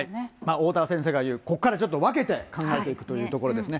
おおたわ先生が言う、ここからはちょっと分けて考えていくというところですね。